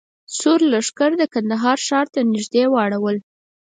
سور لښکر د کندهار ښار ته نږدې واړول.